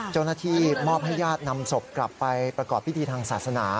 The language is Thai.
เจ้าหน้าที่มอบให้ญาตินำศพกลับไปประกอบพิธีทางศาสนา